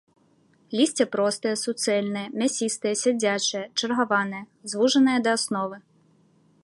Лісце простае, суцэльнае, мясістае, сядзячае, чаргаванае, звужанае да асновы.